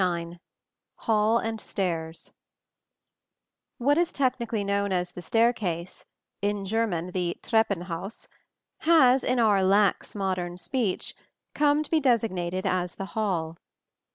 IX HALL AND STAIRS What is technically known as the staircase (in German the Treppenhaus) has, in our lax modern speech, come to be designated as the hall.